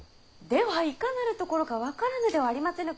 ではいかなるところか分からぬではありませぬか。